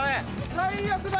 最悪だ。